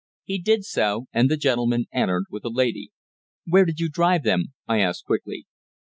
He did so, and the gentleman entered with a lady. "Where did you drive them?" I asked quickly.